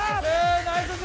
ナイス！